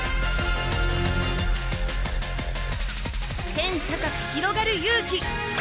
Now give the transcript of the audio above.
天高くひろがる勇気！